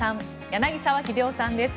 柳澤秀夫さんです。